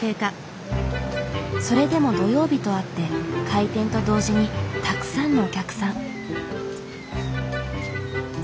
それでも土曜日とあって開店と同時にたくさんのお客さん。